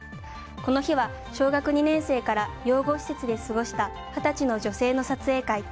この日は小学２年生から養護施設で過ごした二十歳の女性の撮影会。